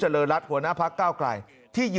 คุณสิริกัญญาบอกว่า๖๔เสียง